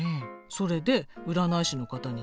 それで占い師の方にね